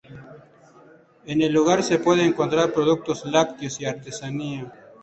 En el lugar se puede encontrar productos lácteos y artesanía.